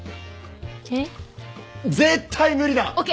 絶対無理だ！